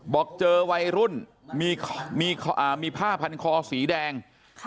บอกเจอวัยรุ่นมีผ้าพันคอสีแดง